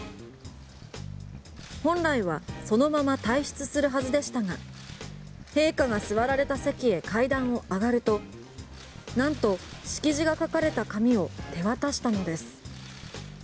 本来はそのまま退出するはずでしたが陛下が座られた席へ階段を上がるとなんと式辞が書かれた紙を手渡したのです。